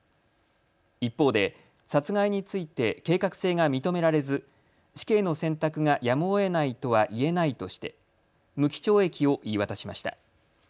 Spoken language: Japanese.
一方で殺害について計画性が認められず死刑の選択がやむをえないとはいえないとして無期懲役を言い渡しました。